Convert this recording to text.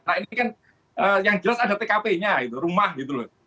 nah ini kan yang jelas ada tkp nya rumah gitu loh